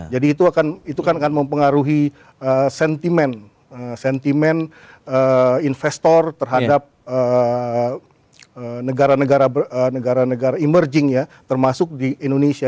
jadi itu akan mempengaruhi sentimen investor terhadap negara negara emerging ya termasuk di indonesia